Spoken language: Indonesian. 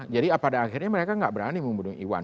jadi pada akhirnya mereka tidak berani membunuh iwan